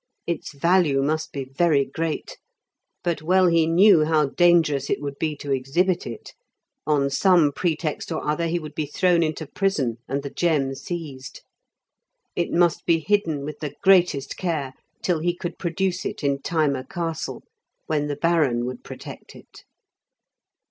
Its value must be very great. But well he knew how dangerous it would be to exhibit it; on some pretext or other he would be thrown into prison, and the gem seized. It must be hidden with the greatest care till he could produce it in Thyma Castle, when the Baron would protect it.